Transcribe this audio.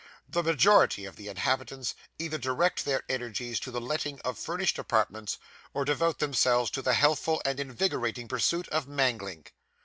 The majority of the inhabitants either direct their energies to the letting of furnished apartments, or devote themselves to the healthful and invigorating pursuit of mangling.